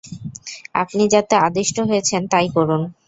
আপনি যাতে আদিষ্ট হয়েছেন তাই করুন।